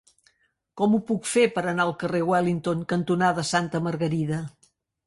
Com ho puc fer per anar al carrer Wellington cantonada Santa Margarida?